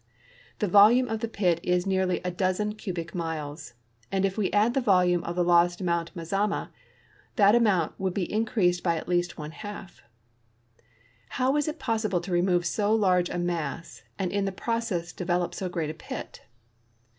The volume of the pit is nearly a dozen cubic miles, and if we add the volume of the lost Mount Mazama, that amount would be increased by at least one half How was it possible to remove so large a mass and in the process develop so great a pit?